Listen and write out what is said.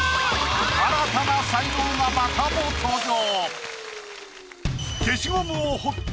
新たな才能がまたも登場。